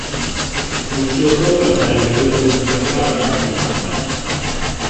Il suo sogno sarebbe quello di diventare una stilista.